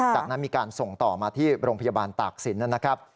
จากนั้นมีการส่งต่อมาที่โรงพยาบาลตากศิลปนะครับ